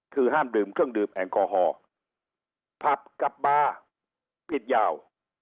คือห้ามดื่มเครื่องดื่มแอลกอฮอล์ผับกับบาร์ปิดยาว